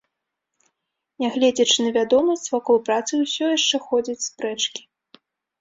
Нягледзячы на вядомасць, вакол працы ўсё яшчэ ходзяць спрэчкі.